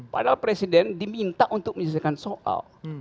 padahal presiden diminta untuk menyelesaikan soal